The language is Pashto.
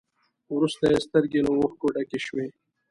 وروسته يې سترګې له اوښکو ډکې شوې.